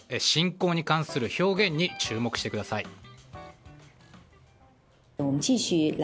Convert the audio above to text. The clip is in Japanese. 侵攻に関する表現に注目してください。